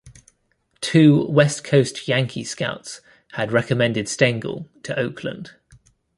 Two West Coast Yankee scouts had recommended Stengel to Oakland.